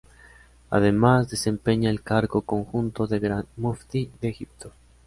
Además desempeña el cargo conjunto de gran muftí de Egipto.